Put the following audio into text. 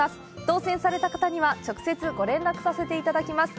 当せんされた方には直接ご連絡させていただきます。